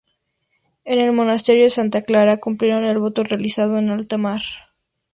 En el Monasterio de Santa Clara cumplieron el voto realizado en alta mar.